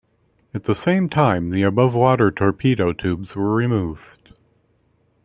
At the same time the above-water torpedo tubes were removed.